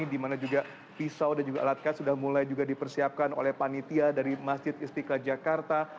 di mana juga pisau dan juga alat kas sudah mulai juga dipersiapkan oleh panitia dari masjid istiqlal jakarta